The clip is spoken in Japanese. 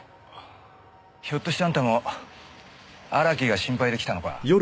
ひょっとしてあんたも荒木が心配で来たのか？